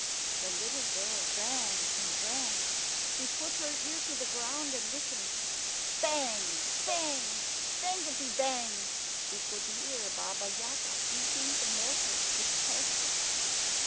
The little girl ran and ran. She put her ear to the ground and listened. Bang, bang, bangety bang! she could hear Baba Yaga beating the mortar with the pestle.